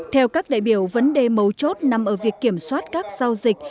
theo các đại biểu vấn đề mấu chốt nằm ở việc kiểm soát các giao dịch